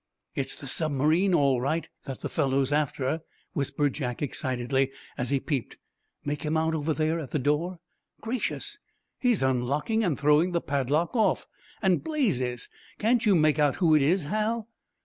"It's the submarine, all right, that the fellow's after," whispered Jack excitedly, as he peeped. "Make him out over there, at the door? Gracious! He's unlocking and throwing the padlock off. And, blazes! Can't you make out who it is, Hal?"